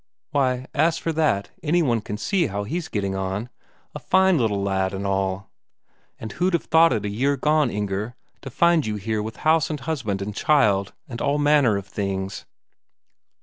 "Why, as for that, any one can see how he's getting on. A fine little lad and all. And who'd have thought it a year gone, Inger, to find you here with house and husband and child and all manner of things."